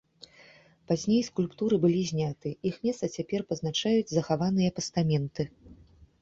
Пазней скульптуры былі зняты, іх месца цяпер пазначаюць захаваныя пастаменты.